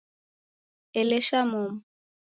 Elesha momu